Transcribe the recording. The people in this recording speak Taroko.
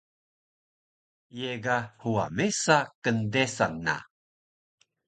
Ye ga huwa mesa kndesan na